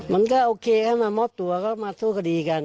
มันก็โอเคให้มามอบตัวก็มาสู้คดีกัน